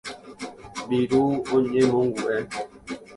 Viru ñemongu'e.